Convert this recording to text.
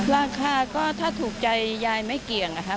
ราคาก็ถ้าถูกใจยายไม่เกียรติ